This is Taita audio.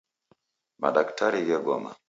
Madaktari ghegoma.